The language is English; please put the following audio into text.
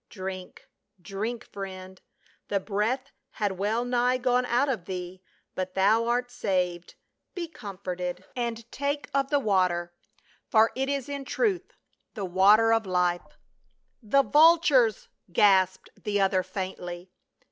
" Drink — drink, friend ; the breath had well nigh gone out of thee, but thou art saved. Be comforted 52 PAUL. and take of the water, for it is in truth the water of Hfe." •' The vultures !" gasped the other, faintly.